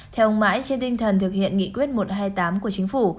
theo ông mãi trên tinh thần thực hiện nghị quyết một trăm hai mươi tám của chính phủ